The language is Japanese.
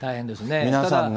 皆さんね。